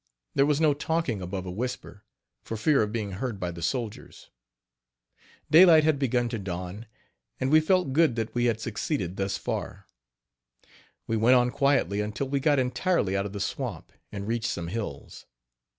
There was no talking above a whisper, for fear of being heard by the soldiers. Daylight had begun to dawn, and we felt good that we had succeeded thus far. We went on quietly until we got entirely out of the swamp and reached some hills.